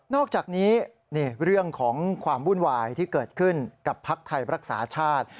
อกจากนี้เรื่องของความวุ่นวายที่เกิดขึ้นกับภักดิ์ไทยรักษาชาติ